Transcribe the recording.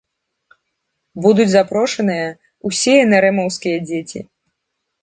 Будуць запрошаныя ўсе энэрэмаўскія дзеці.